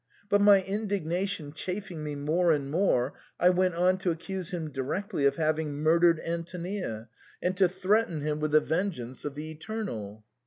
But my indignation chafing me more and more, I went on to accuse him directly of having murdered Antonia, and to threaten him with the ven geance of the Eternal.